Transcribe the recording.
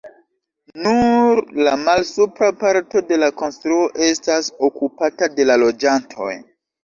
Nur la malsupra parto de la konstruo estas okupata de la loĝantoj.